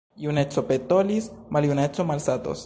Juneco petolis, maljuneco malsatos.